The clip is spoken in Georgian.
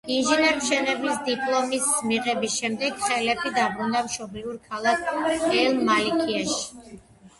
ინჟინერ-მშენებლის დიპლომის მიღების შემდეგ ხელეფი დაბრუნდა მშობლიურ ქალაქ ელ-მალიქიაში.